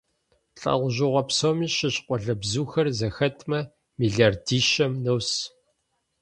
ЛӀэужьыгъуэ псоми щыщ къуалэбзухэр зэхэтмэ, миллиардищэм нос.